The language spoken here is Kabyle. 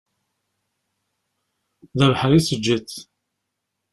D abeḥri i d-teǧǧiḍ.